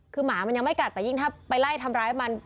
คือหมามันยังไม่กัดแต่ยิ่งถ้าไปไล่ทำร้ายมัน